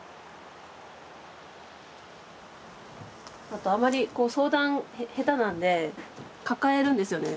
あとあんまり相談下手なんで抱えるんですよね